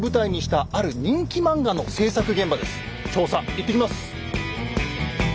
調査いってきます！